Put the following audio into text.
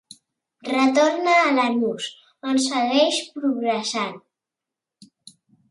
Retorna a Lanús, on segueix progressant.